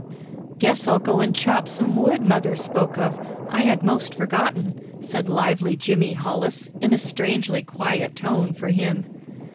"Guess I'll go and chop some wood mother spoke of. I had most forgotten," said lively Jimmy Hollis, in a strangely quiet tone for him.